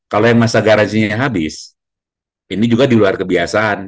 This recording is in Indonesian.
kalau yang masa garansinya habis ini juga di luar kebiasaan